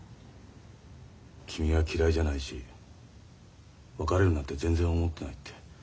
君は嫌いじゃないし別れるなんて全然思ってないって。